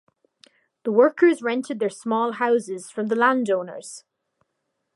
The workers rented their small houses from the landowners.